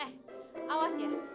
eh awas ya